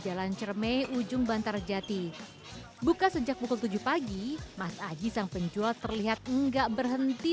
jalan cermai ujung bantarjati buka sejak pukul tujuh pagi mas aji sang penjual terlihat enggak berhenti